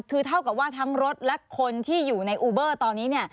คือเท่ากับว่าทั้งรถและคนที่อยู่ในอูเบอร์ตอนนี้เนี่ย